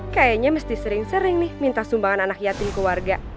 kayaknya mesti sering sering nih minta sumbangan anak yatim ke warga